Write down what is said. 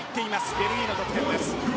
ベルギーの得点。